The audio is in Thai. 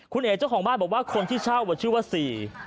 คุณเอ๋เจ้าของบ้านบอกว่าคนที่เช่าชื่อว่าสี่